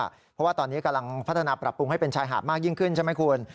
เพราะว่าตอนนี้กำลังพัฒนาปรับปรุงให้เป็นชายหาดมากยิ่งขึ้นใช่ไหมคุณ